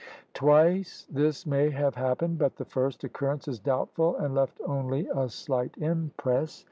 Twice this may have happened, but the first occurrence is doubtful and left only a slight impress.